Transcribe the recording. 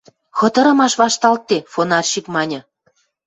— Хытырымаш вашталтде, — фонарщик маньы.